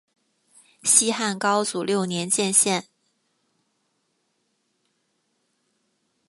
西汉高祖六年建县。